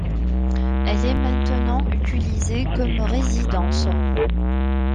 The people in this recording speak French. Elle est maintenant utilisée comme résidence.